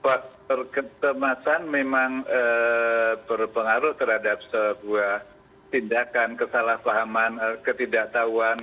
faktor kecemasan memang berpengaruh terhadap sebuah tindakan kesalahpahaman ketidaktahuan